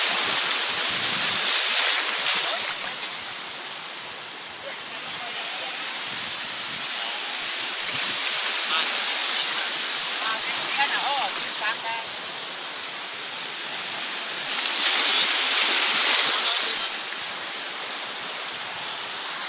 สวัสดีครับให้คุณผู้ชายดูเฉยขอบคุณทุกท่าที่นี่ช่วยให้มีความสนุกของพี่การนะครับ